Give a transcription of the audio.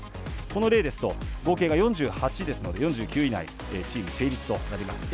この例ですと合計が４８ですので４９以内、チーム成立となります。